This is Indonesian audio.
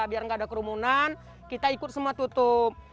biar nggak ada kerumunan kita ikut semua tutup